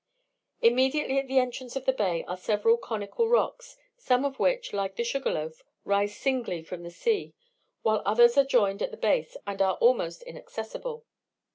Immediately at the entrance of the bay are several conical rocks, some of which, like the Sugarloaf, rise singly from the sea, while others are joined at the base, and are almost inaccessible.